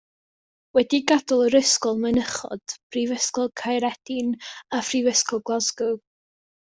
Wedi gadael yr ysgol mynychodd Brifysgol Caeredin a Phrifysgol Glasgow.